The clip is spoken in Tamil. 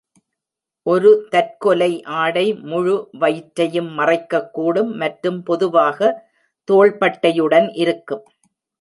ஒரு தற்கொலை ஆடை முழு வயிற்றையும் மறைக்கக்கூடும் மற்றும் பொதுவாக தோள்பட்டையுடன் இருக்கும்.